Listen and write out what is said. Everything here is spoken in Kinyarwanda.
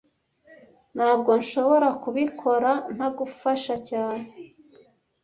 Ntago nshobora kubikora ntagufasha cyane